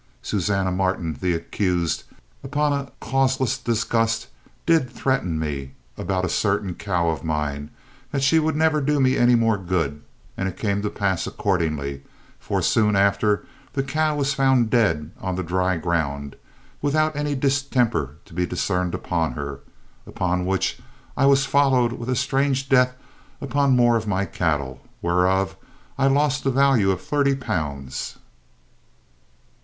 Susanna Martin, the accused, upon a causeless disgust, did threaten me, about a certain cow of mine, that she should never do me any more good, and it came to pass accordingly; for, soon after, the cow was found dead on the dry ground, without any distemper to be discerned upon her; upon which I was followed with a strange death upon more of my cattle, whereof I lost to the value of thirty pounds."